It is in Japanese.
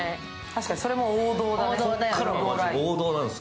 確かに、それも王道だね。